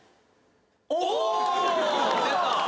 お！